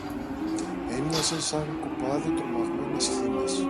έμοιαζε σαν κοπάδι τρομαγμένες χήνες.